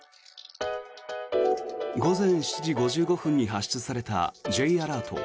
午前７時５５分に発出されたＪアラート。